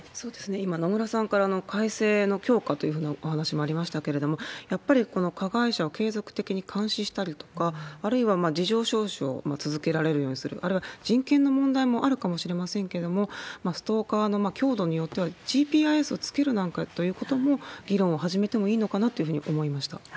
今、野村さんから、改正の強化というふうなお話もありましたけれども、やっぱりこの加害者を継続的に監視したりとか、あるいは、事情聴取を続けられるようにする、あるいは人権の問題もあるかもしれませんけれども、ストーカーの凶度によっては、ＧＰＳを付けるというようなことも、議論を始めてもいいのかなと思いました。